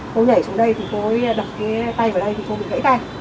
cô nhảy xuống đây thì cô đập cái tay vào đây thì cô bị gãy tay